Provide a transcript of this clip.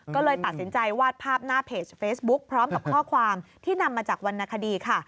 ก็เลยตัดสินใจวาดภาพหน้าเพจเฟซบุ๊คพร้อมกับข้อความที่นำมาจากวรรณคดีค่ะ